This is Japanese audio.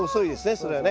それはね。